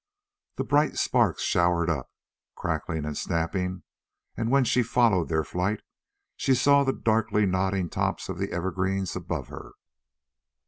The bright sparks showered up, crackling and snapping, and when she followed their flight she saw the darkly nodding tops of the evergreens above her.